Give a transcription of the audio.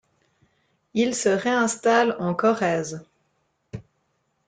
Ils se réinstallent en Corrèze.